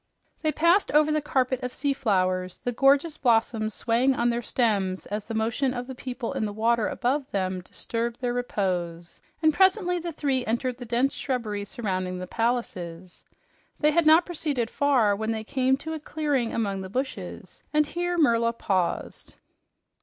They passed over the carpet of sea flowers, the gorgeous blossoms swaying on their stems as the motion of the people in the water above them disturbed their repose, and presently the three entered the dense shrubbery surrounding the palace. They had not proceeded far when they came to a clearing among the bushes, and here Merla paused.